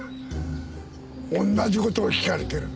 同じ事を聞かれてる。